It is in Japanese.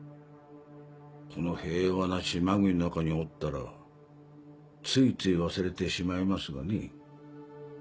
この平和な島国の中におったらついつい忘れてしまいますがね。